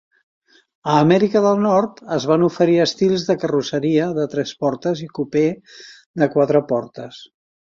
A Amèrica del Nord es van oferir estils de carrosseria de tres portes i cupè de quatre portes.